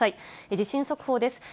地震速報です。